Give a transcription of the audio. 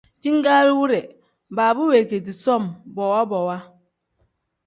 Jingaari wire baaba weegedi som bowa bowa.